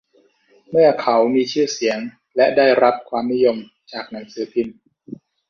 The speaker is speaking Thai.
พวกเขามีชื่อเสียงและได้รับความนิยมจากหนังสือพิมพ์